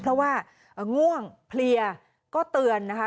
เพราะว่าง่วงเพลียก็เตือนนะคะ